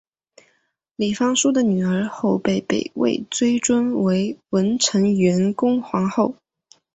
李方叔的女儿后被北魏追尊为文成元恭皇后。